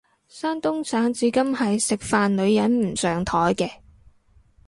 山東省至今係食飯女人唔上枱嘅